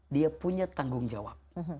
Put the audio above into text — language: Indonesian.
dia punya tanggung jawab